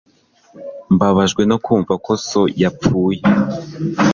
Mbabajwe no kumva ko so yapfuye